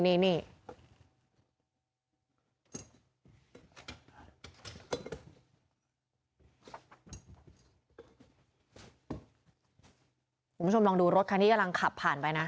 คุณผู้ชมลองดูรถคันนี้กำลังขับผ่านไปนะ